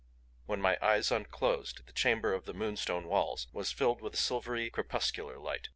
When my eyes unclosed the chamber of the moonstone walls was filled with a silvery, crepuscular light.